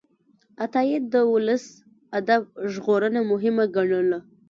عطایي د ولسي ادب ژغورنه مهمه ګڼله.